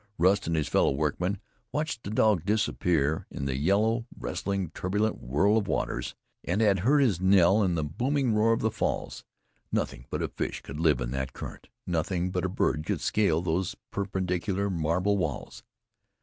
Rust and his fellow workmen watched the dog disappear in the yellow, wrestling, turbulent whirl of waters, and had heard his knell in the booming roar of the falls. Nothing but a fish could live in that current; nothing but a bird could scale those perpendicular marble walls.